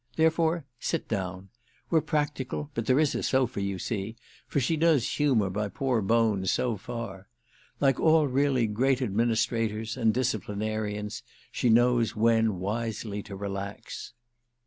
Therefore sit down. We're practical, but there is a sofa, you see—for she does humour my poor bones so far. Like all really great administrators and disciplinarians she knows when wisely to relax."